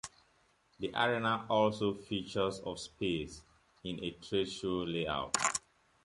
The arena also features of space in a trade show layout.